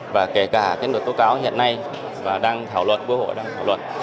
và kể cả cái luật tố cáo hiện nay và đang thảo luận với hội đang thảo luận